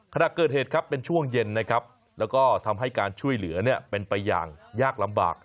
ขณะเกิดเหตุครับเป็นช่วงเย็นนะครับแล้วก็ทำให้การช่วยเหลือเป็นไปอย่างยากลำบาก